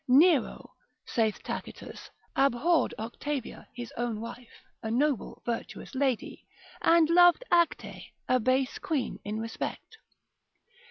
Nero (saith Tacitus) abhorred Octavia his own wife, a noble virtuous lady, and loved Acte, a base quean in respect.